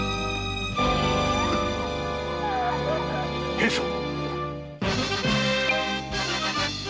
平さん！